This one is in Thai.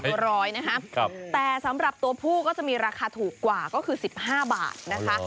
สามตัวร้อยนะครับครับแต่สำหรับตัวผู้ก็จะมีราคาถูกกว่าก็คือสิบห้าบาทนะคะ